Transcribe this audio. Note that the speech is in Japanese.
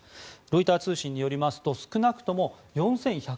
ロイター通信によりますと少なくとも４１００億円